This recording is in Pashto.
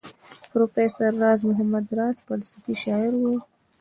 پروفیسر راز محمد راز فلسفي شاعر وو.